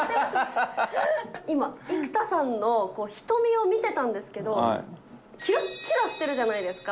今、生田さんの瞳を見てたんですけど、きらっきらしてるじゃないですか。